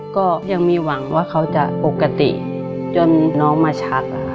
ก็ยังมีหวังว่าเขาจะปกติจนน้องมาชัก